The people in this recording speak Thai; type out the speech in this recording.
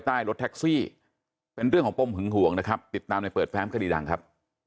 รถแท็กซี่เป็นเรื่องของปมหึงห่วงนะครับติดตามในเปิดแฟมคดีดังครับ